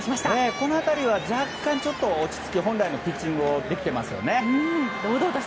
この辺りは若干落ち着いて本来のピッチングができていますね。